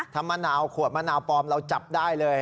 ถ้ามะนาวขวดมะนาวปลอมเราจับได้เลย